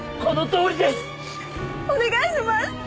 お願いします！